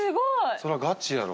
そりゃガチやろ。